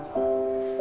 tua dia ada ketiga